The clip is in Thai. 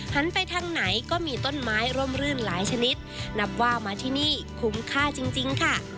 หันไปทางไหนก็มีต้นไม้ร่มรื่นหลายชนิดนับว่ามาที่นี่คุ้มค่าจริงจริงค่ะ